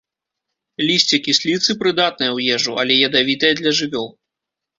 Лісце кісліцы прыдатнае ў ежу, але ядавітае для жывёл.